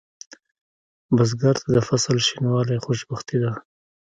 بزګر ته د فصل شینوالی خوشبختي ده